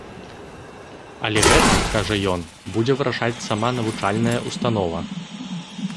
Але гэта, кажа ён, будзе вырашаць сама навучальная ўстанова.